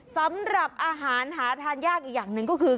สำหรับอาหารหาทานยากอีกอย่างหนึ่งก็คือ